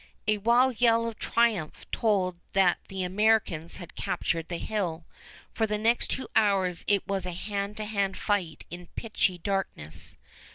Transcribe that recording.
A wild yell of triumph told that the Americans had captured the hill. For the next two hours it was a hand to hand fight in pitchy darkness.